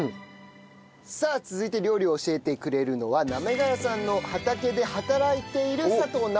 さあ続いて料理を教えてくれるのは行谷さんの畑で働いている佐藤尚子さんです。